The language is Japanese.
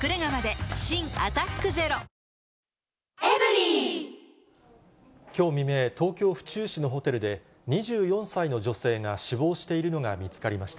新「アタックＺＥＲＯ」きょう未明、東京・府中市のホテルで、２４歳の女性が死亡しているのが見つかりました。